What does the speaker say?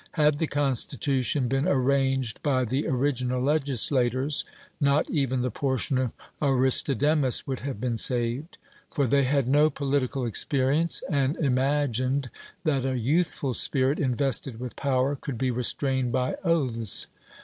Had the constitution been arranged by the original legislators, not even the portion of Aristodemus would have been saved; for they had no political experience, and imagined that a youthful spirit invested with power could be restrained by oaths.